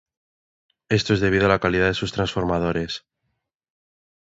Esto es debido a la calidad de sus transformadores.